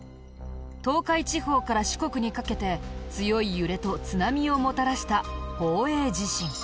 東海地方から四国にかけて強い揺れと津波をもたらした宝永地震。